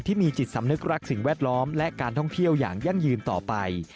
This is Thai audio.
ที่มีจิตสำนึกรักสิ่งแวดล้อมและการท่องเที่ยวอย่างยั่งยืนต่อไป